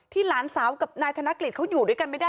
หลานสาวกับนายธนกฤษเขาอยู่ด้วยกันไม่ได้